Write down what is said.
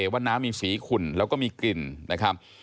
ว่าน้ำมีสีขุ่นแล้วก็มีกลิ่นนะครับ